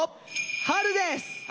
「春」です！